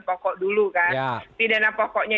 pokok dulu kan pidana pokoknya